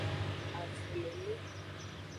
Avulele.